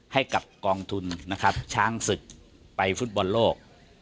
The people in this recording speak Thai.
ให้กับกองทุนนะครับช้างศึกไปฟุตบอลโลก